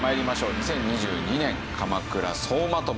２０２２年鎌倉総まとめ！